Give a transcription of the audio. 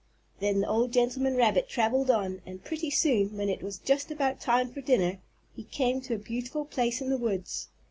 Then the old gentleman rabbit traveled on, and pretty soon, when it was just about time for dinner, he came to a beautiful place in the woods.